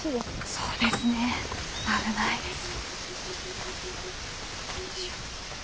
そうですね危ないです。